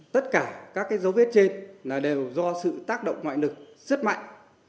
tất cả các cái dấu viết trên là đều do sự tác động ngoại lực rất mạnh